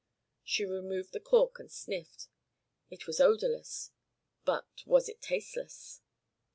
She removed the cork and sniffed. It was odourless, but was it tasteless?